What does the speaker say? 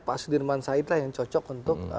pak sudirman said lah yang cocok untuk